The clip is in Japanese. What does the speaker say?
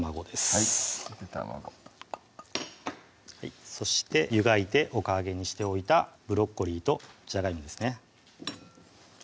はいゆで卵そして湯がいておかあげにしておいたブロッコリーとじゃがいもですね